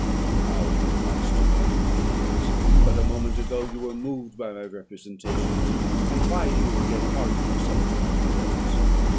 "How inconstant are your feelings! but a moment ago you were moved by my representations, and why do you again harden yourself to my complaints?